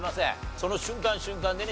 その瞬間瞬間でね